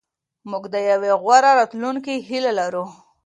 موږ د یوې غوره راتلونکې هیله لرو.